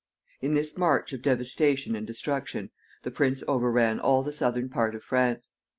In this march of devastation and destruction the prince overran all the southern part of France.